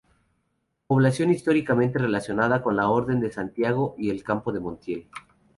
Población históricamente relacionada con la Orden de Santiago y el Campo de Montiel.